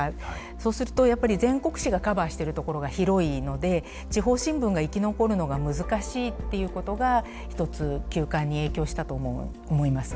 そうするとやっぱり全国紙がカバーしてるところが広いので地方新聞が生き残るのが難しいっていうことが一つ休刊に影響したと思います。